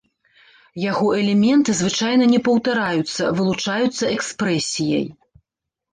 Яго элементы звычайна не паўтараюцца, вылучаюцца экспрэсіяй.